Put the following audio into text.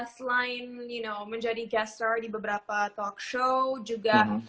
selain you know menjadi guest star di beberapa talk show juga